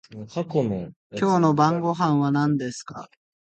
今夜の晩御飯は何ですか？